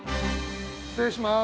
失礼します。